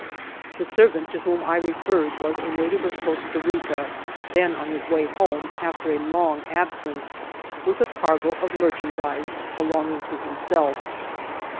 The servant to whom I referred was a native of Costa Rica, then on his way home, after a long absence, with a cargo of merchandise belonging to himself.